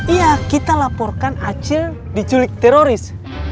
iya kita laporkan acil diculik teroris